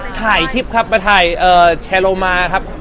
ถ่ายคลิปครับมาถ่ายแชร์โลมาครับ